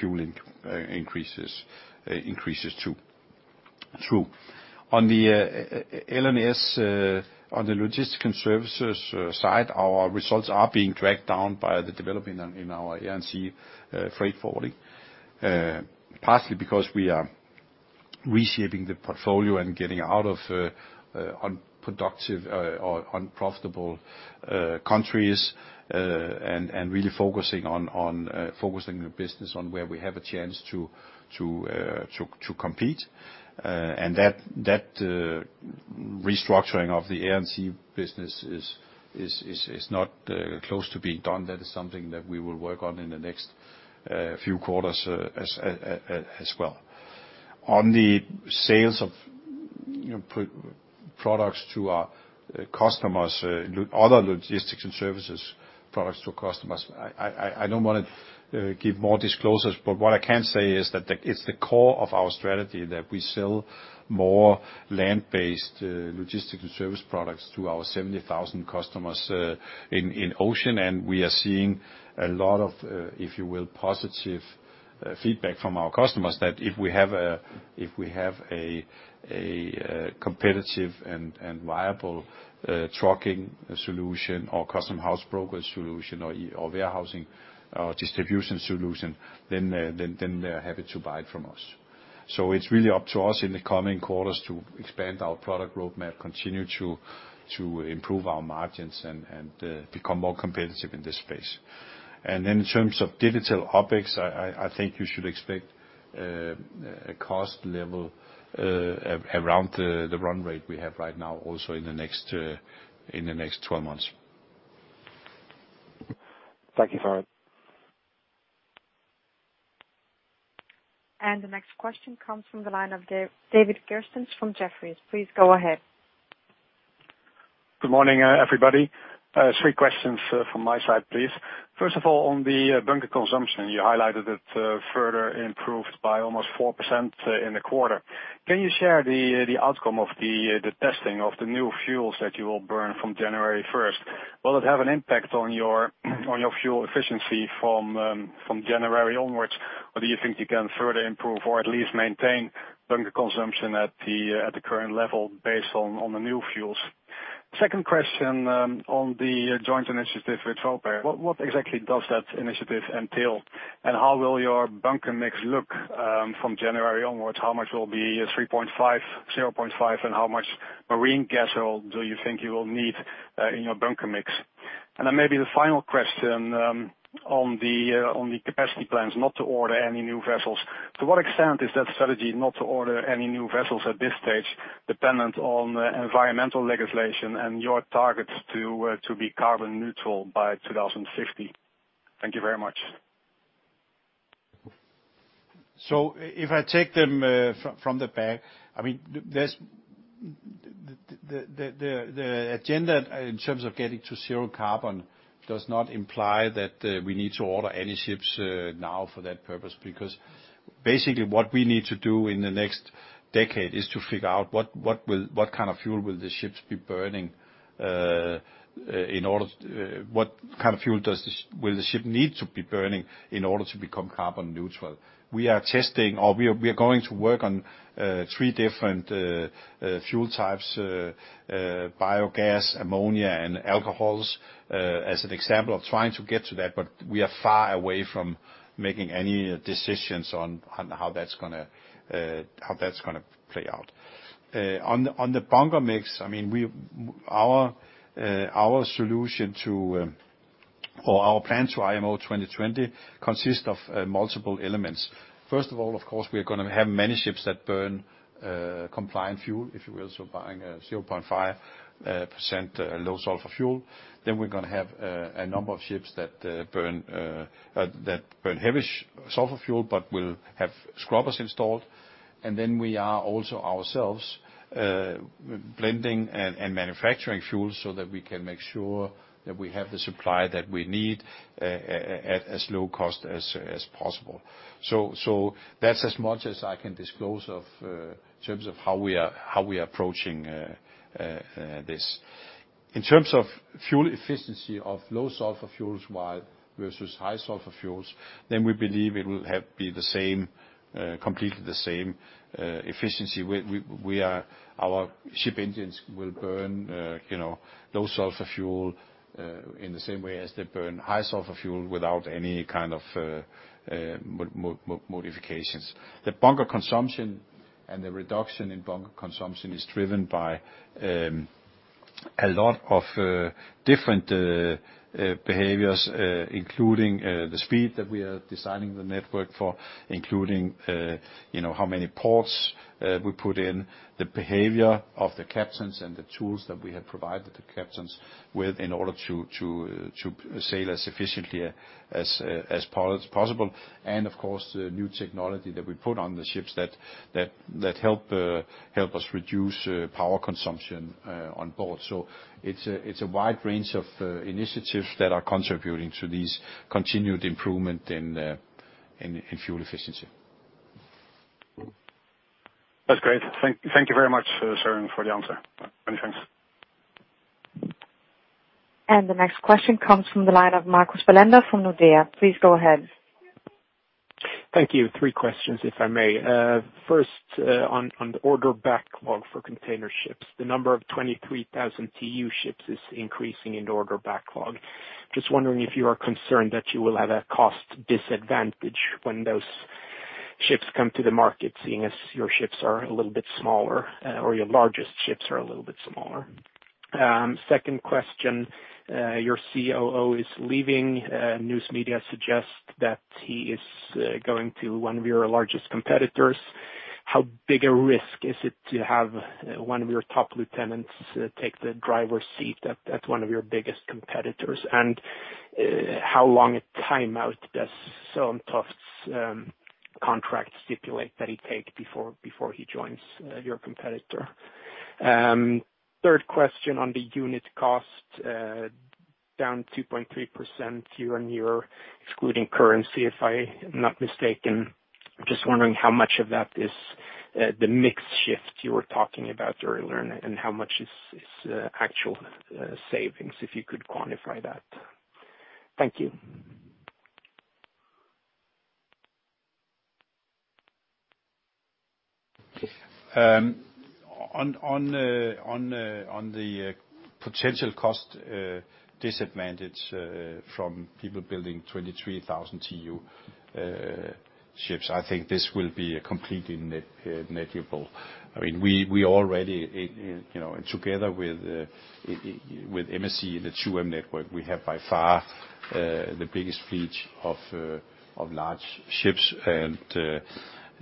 fuel increases through. On the L&S, on the logistic and services side, our results are being dragged down by the development in our ANC freight forwarding, partly because we are reshaping the portfolio and getting out of unproductive or unprofitable countries, and really focusing the business on where we have a chance to compete. That restructuring of the ANC business is not close to being done. That is something that we will work on in the next few quarters as well. On the sales of products to our customers, other Logistics & Services products to customers, I don't want to give more disclosures. What I can say is that it's the core of our strategy that we sell more land-based Logistics & Services products to our 70,000 customers in Ocean. We are seeing a lot of, if you will, positive feedback from our customers that if we have a competitive and viable trucking solution or customs house brokerage solution or warehousing or distribution solution, then they're happy to buy it from us. It's really up to us in the coming quarters to expand our product roadmap, continue to improve our margins and become more competitive in this space. In terms of digital OpEx, I think you should expect a cost level around the run rate we have right now, also in the next 12 months. Thank you, Søren Skou. The next question comes from the line of David Kerstens from Jefferies. Please go ahead. Good morning, everybody. Three questions from my side, please. First of all, on the bunker consumption, you highlighted it further improved by almost 4% in the quarter. Can you share the outcome of the testing of the new fuels that you will burn from January 1st? Will it have an impact on your fuel efficiency from January onwards, or do you think you can further improve or at least maintain bunker consumption at the current level based on the new fuels? Second question on the joint initiative with Shell. What exactly does that initiative entail, and how will your bunker mix look from January onwards? How much will be 3.5, 0.5, and how much marine gas oil do you think you will need in your bunker mix? Maybe the final question on the capacity plans not to order any new vessels. To what extent is that strategy not to order any new vessels at this stage dependent on environmental legislation and your targets to be carbon neutral by 2050? Thank you very much. If I take them from the back, I mean the agenda in terms of getting to zero carbon does not imply that we need to order any ships now for that purpose, because basically what we need to do in the next decade is to figure out what kind of fuel will the ship need to be burning in order to become carbon neutral. We are going to work on three different fuel types, biogas, ammonia and alcohols, as an example of trying to get to that, but we are far away from making any decisions on how that's going to play out. On the bunker mix, our solution to or our plan to IMO 2020 consists of multiple elements. First of all, of course, we are going to have many ships that burn compliant fuel, if you will, burning a 0.5% low sulfur fuel. Then, we're going to have a number of ships that burn heavy sulfur fuel, but will have scrubbers installed. We are also ourselves blending and manufacturing fuel so that we can make sure that we have the supply that we need at as low cost as possible. That's as much as I can disclose in terms of how we are approaching this. In terms of fuel efficiency of low sulfur fuels versus high sulfur fuels, then we believe it will be completely the same efficiency. Our ship engines will burn, you know, low sulfur fuel in the same way as they burn high sulfur fuel without any kind of modifications. The bunker consumption and the reduction in bunker consumption is driven by a lot of different behaviors, including the speed that we are designing the network for, including, you know, how many ports we put in, the behavior of the captains, and the tools that we have provided the captains with in order to sail as efficiently as possible. Of course, the new technology that we put on the ships that help us reduce power consumption on board. It's a wide range of initiatives that are contributing to this continued improvement in fuel efficiency. That's great. Thank you very much, Søren Skou, for the answer. Many thanks. The next question comes from the line of Marcus Bellander from Nordea. Please go ahead. Thank you. Three questions, if I may. First, on the order backlog for container ships. The number of 23,000 TEU ships is increasing in order backlog. Just wondering if you are concerned that you will have a cost disadvantage when those ships come to the market, seeing as your ships are a little bit smaller, or your largest ships are a little bit smaller. Second question, your COO is leaving. News media suggests that he is going to one of your largest competitors. How big a risk is it to have one of your top lieutenants take the driver's seat at one of your biggest competitors? How long a timeout does Søren Toft's contract stipulate that he take before he joins your competitor? Third question on the unit cost, down 2.3% year-on-year, excluding currency, if I am not mistaken. Just wondering how much of that is the mix shift you were talking about earlier, and how much is actual savings, if you could quantify that. Thank you. On the potential cost disadvantage from people building 23,000 TEU ships, I think this will be completely negligible. We already, together with MSC and the 2M network, we have by far the biggest fleet of large ships.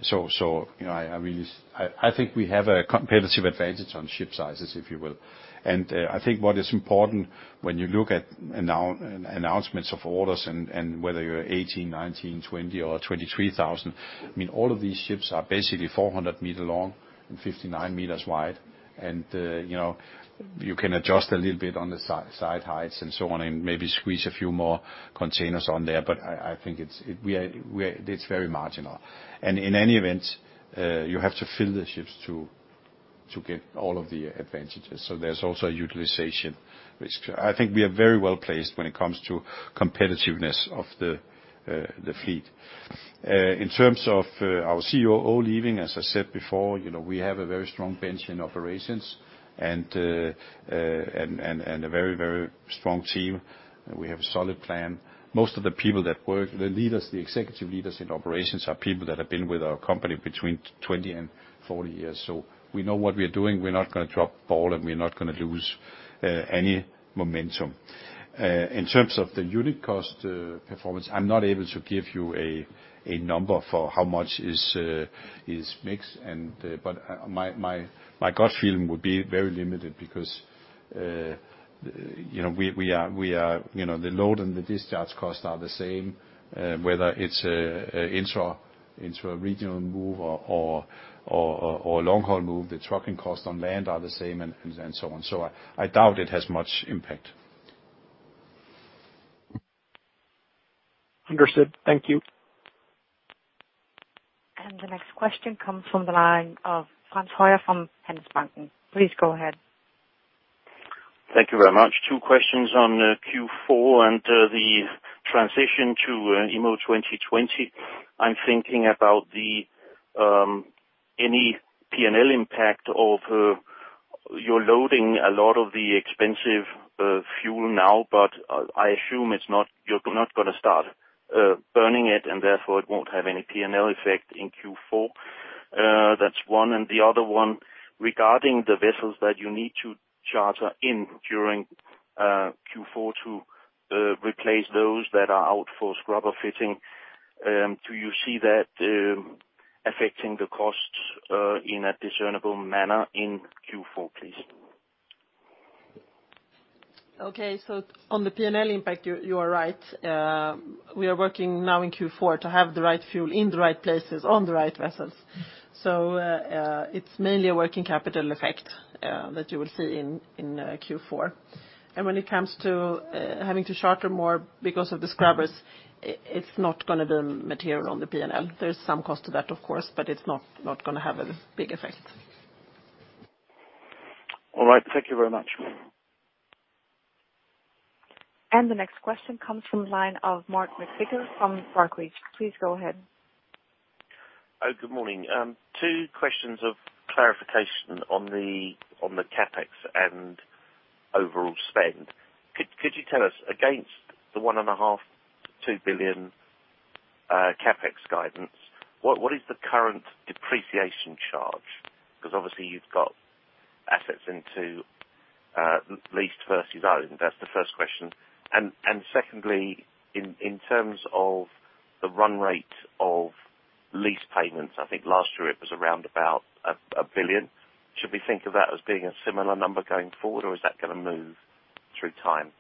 I think we have a competitive advantage on ship sizes, if you will. I think what is important when you look at announcements of orders and whether you're 18,000, 19,000, 20,000 or 23,000, I mean all of these ships are basically 400 meters long and 59 meters wide. You can adjust a little bit on the side heights and so on, and maybe squeeze a few more containers on there, but I think it's very marginal. In any event, you have to fill the ships to get all of the advantages. There's also a utilization risk. I think we are very well-placed when it comes to competitiveness of the fleet. In terms of our COO leaving, as I said before, we have a very strong bench in operations and a very strong team. We have a solid plan. Most of the people that work, the leaders, the executive leaders in operations are people that have been with our company between 20 and 40 years. We know what we're doing. We're not going to drop ball and we're not going to lose any momentum. In terms of the unit cost performance, I'm not able to give you a number for how much is mix, but my gut feeling would be very limited because the load and the discharge costs are the same, whether it's an intra-regional move or a long-haul move. The trucking costs on land are the same and so on. I doubt it has much impact. Understood. Thank you. The next question comes from the line of Frans Hoyer from Handelsbanken. Please go ahead. Thank you very much. Two questions on Q4 and the transition to IMO 2020. I am thinking about any P&L impact of your loading a lot of the expensive fuel now, but I assume you are not going to start burning it and therefore it won't have any P&L effect in Q4. That's one. The other one, regarding the vessels that you need to charter in during Q4 to replace those that are out for scrubber fitting, do you see that affecting the costs in a discernible manner in Q4, please? Okay. On the P&L impact, you are right. We are working now in Q4 to have the right fuel in the right places on the right vessels. It's mainly a working capital effect, that you will see in Q4. When it comes to having to charter more because of the scrubbers, it's not going to be material on the P&L. There's some cost to that, of course, it's not going to have a big effect. All right. Thank you very much. The next question comes from the line of Mark McVicar from Barclays. Please go ahead. Oh, good morning. Two questions of clarification on the CapEx and overall spend. Could you tell us against the $1.5 billion-$2 billion CapEx guidance, what is the current depreciation charge? Because obviously you've got assets into leased versus owned. That's the first question. Secondly, in terms of the run rate of lease payments, I think last year it was around about $1 billion. Should we think of that as being a similar number going forward, or is that going to move through time?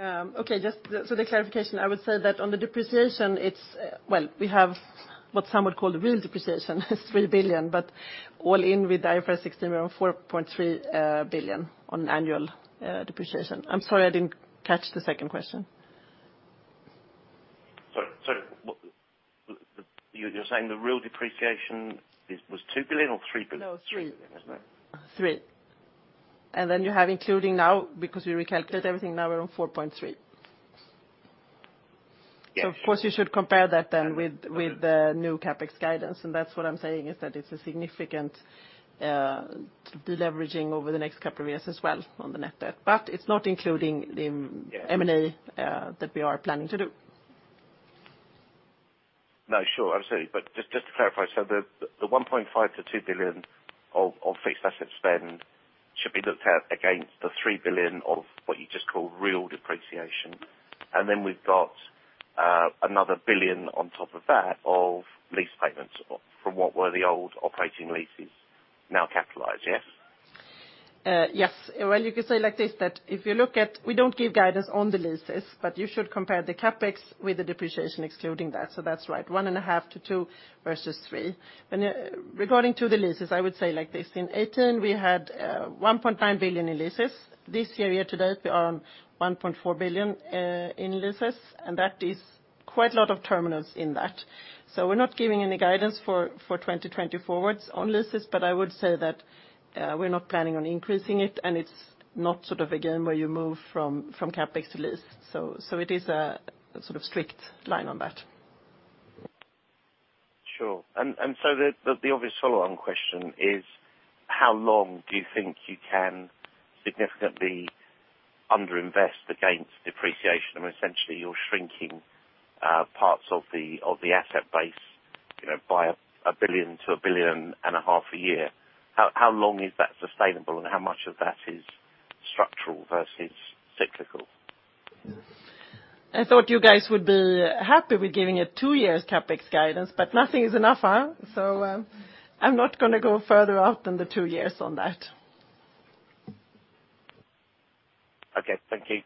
Okay. The clarification, I would say that on the depreciation, well we have what some would call the real depreciation is $3 billion, but all in with IFRS 16, we're on $4.3 billion on annual depreciation. I'm sorry, I didn't catch the second question. Sorry. You're saying the real depreciation is, was $2 billion or $3 billion? No, $3 billion. $3 billion, isn't it? $3 billion. Then you have including now, because we recalculated everything, now we're on $4.3 billion. Yeah. Of course, you should compare that then with the new CapEx guidance. That's what I'm saying is that it's a significant de-leveraging over the next couple of years as well on the net debt. It's not including in -- Yeah M&A that we are planning to do. No, sure, absolutely. Just to clarify, the $1.5 billion-$2 billion of fixed asset spend should be looked at against the $3 billion of what you just called real depreciation, and then we've got another $1 billion on top of that of lease payments from what were the old operating leases, now capitalized, yes? Yes. Well, you could say like this, that if you look at, we don't give guidance on the leases, but you should compare the CapEx with the depreciation excluding that. That's right, $1.5 billion-$2 billion versus $3 billion. Regarding to the leases, I would say like this. In 2018, we had $1.9 billion in leases. This year-to-date, we are on $1.4 billion in leases, and that is quite a lot of terminals in that. We're not giving any guidance for 2020 forwards on leases, but I would say that we're not planning on increasing it, and it's not sort of again, where you move from CapEx to lease. It is a sort of strict line on that. Sure. The obvious follow-on question is, how long do you think you can significantly under-invest against depreciation? I mean, essentially, you're shrinking parts of the asset base by $1 billion-$1.5 billion a year. How long is that sustainable, and how much of that is structural versus cyclical? I thought you guys would be happy with giving a two years CapEx guidance, but nothing is enough, huh? I'm not going to go further out than the two years on that. Okay. Thank you.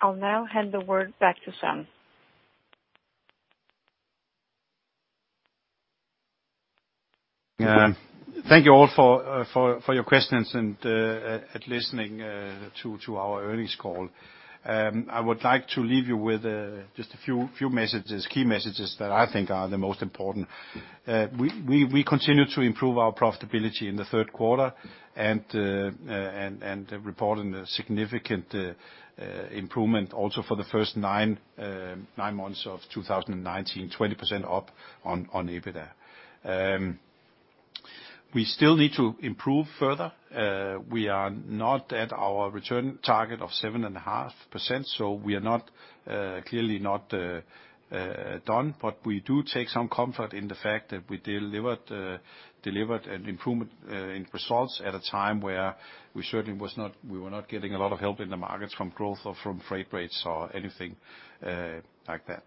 I'll now hand the word back to Søren Skou. Thank you all for your questions and listening to our earnings call. I would like to leave you with just a few key messages that I think are the most important. We continue to improve our profitability in the third quarter, and report a significant improvement also for the first nine months of 2019, 20% up on EBITDA. We still need to improve further. We are not at our return target of 7.5%, so we are clearly not done, but we do take some comfort in the fact that we delivered an improvement in results at a time where we certainly were not getting a lot of help in the markets from growth or from freight rates or anything like that.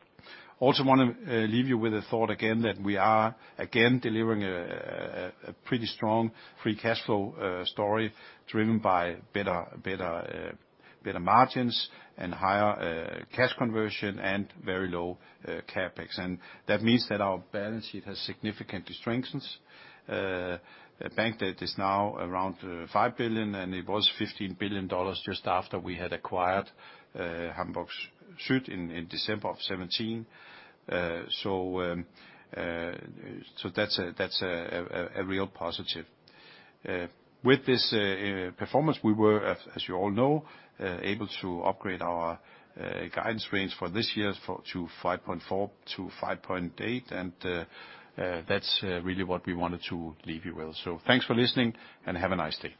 Also want to leave you with a thought again, that we are, again, delivering a pretty strong free cash flow story driven by better margins and higher cash conversion and very low CapEx. That means that our balance sheet has significantly strengthened. Net debt is now around $5 billion, and it was $15 billion just after we had acquired Hamburg Süd in December of 2017. That's a real positive. With this performance, we were, as you all know, able to upgrade our guidance range for this year to $5.4 billion-$5.8 billion, and that's really what we wanted to leave you with. Thanks for listening, and have a nice day.